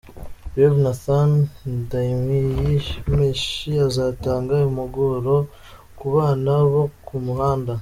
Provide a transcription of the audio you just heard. Rev Nathan Ndyamiyemenshi azatanga impuguro ku bana bo ku muhanda.